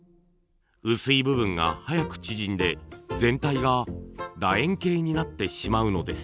薄い部分が早く縮んで全体が楕円形になってしまうのです。